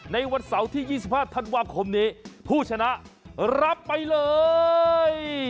ในวันเสาร์ที่๒๕ธันวาคมนี้ผู้ชนะรับไปเลย